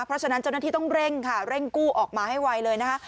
เพราะฉะนั้นเจ้าหน้าที่ต้องเร่งค่ะเร่งกู้ออกมาให้ไวเลยนะคะ